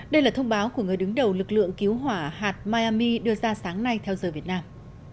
đây là thông báo của người đứng đầu lực lượng cứu hỏa hạt maiami đưa ra sáng nay theo giờ việt nam